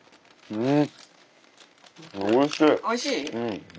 うん。